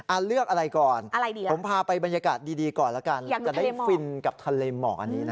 อ้าวเลือกอะไรก่อนผมพาไปบรรยากาศดีก่อนละกันจะได้ฟินกับทะเลหมอ